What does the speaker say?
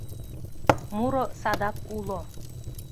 Муро садак уло.